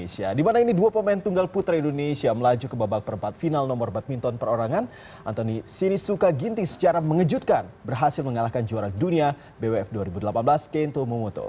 sejarah mengejutkan berhasil mengalahkan juara dunia bwf dua ribu delapan belas kento momoto